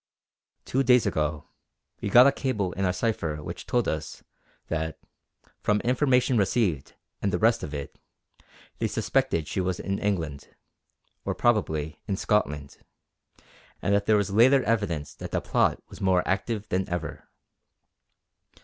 Two days ago we got a cable in our cipher which told us that, from information received and the rest of it, they suspected she was in England, or probably in Scotland; and that there was later evidence that the plot was more active than ever.